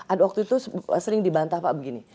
ada waktu itu sering dibantah pak begini